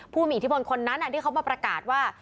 ผู้มีอิทธิพลคนนั้นที่เขามาประกาศว่า